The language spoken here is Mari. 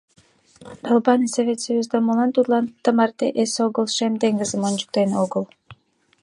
Долбаный Совет Союзда молан тудлан тымарте эсогыл Шем теҥызым ончыктен огыл?